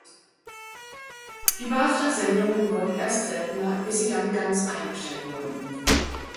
Die Basler Sendungen wurden erst seltener, bis sie dann ganz eingestellt wurden.